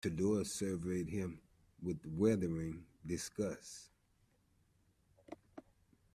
Tudor surveyed him with withering disgust.